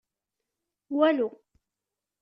Walu.